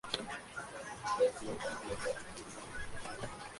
Su carrera fue arruinada en Rusia porque "rechazó convertirse a la ortodoxia rusa".